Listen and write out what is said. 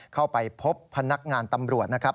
เข้าไปพบพนักงานตำรวจนะครับ